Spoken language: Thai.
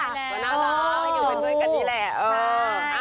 ต้องการแบบนี้แหละ